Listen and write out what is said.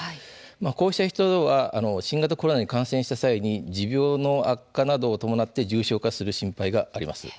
こうした人は新型コロナに感染した際に持病の悪化などに伴って重症化する心配があります。